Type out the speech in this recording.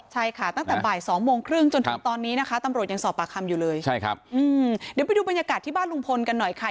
ใช่ค่ะตั้งแต่บ่ายสองโมงครึ่งจนถึงตอนนี้นะคะตำรวจยังสอบปากคำอยู่เลยใช่ครับเดี๋ยวไปดูบรรยากาศที่บ้านลุงพลกันหน่อยค่ะ